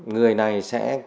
người này sẽ